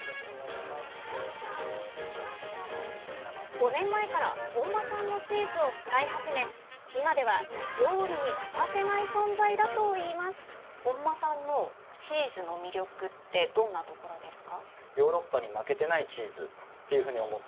５年前から本間さんのチーズを使い始め今では料理に欠かせない存在だと言います本間さんのチーズの魅力ってどんなところですか？